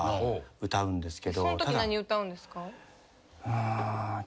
そんとき何歌うんですか？